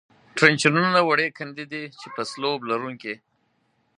ټرینچونه وړې کندې دي، چې په سلوپ لرونکې.